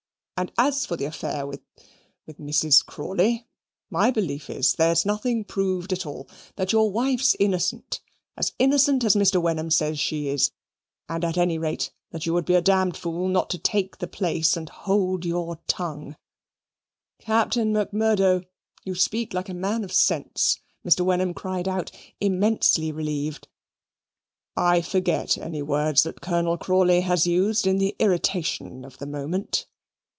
And as for the affair with with Mrs. Crawley, my belief is, there's nothing proved at all: that your wife's innocent, as innocent as Mr. Wenham says she is; and at any rate that you would be a d fool not to take the place and hold your tongue." "Captain Macmurdo, you speak like a man of sense," Mr. Wenham cried out, immensely relieved "I forget any words that Colonel Crawley has used in the irritation of the moment."